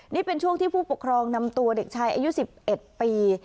นี่เป็นช่วงที่ผู้ปกครองนำตัวเด็กชายอายุ๑๑ปี